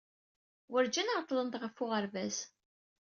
Werǧin ɛeḍḍlent ɣef uɣerbaz.